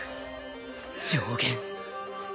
上弦